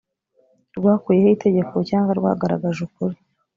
rwakuyeho itegeko cyangwa rwagaragaje ukuri‽